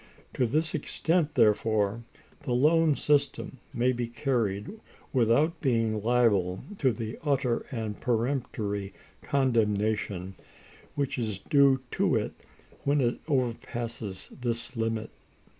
To this extent, therefore, the loan system may be carried, without being liable to the utter and peremptory condemnation which is due to it when it overpasses this limit.